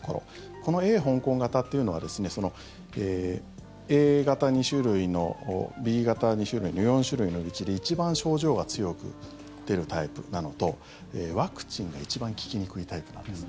このＡ香港型というのはＡ型２種類、Ｂ型２種類の４種類のうちで一番症状が強く出るタイプなのとワクチンが一番効きにくいタイプなんです。